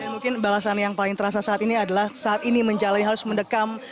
mungkin balasan yang paling terasa saat ini adalah saat ini menjalani harus mendekam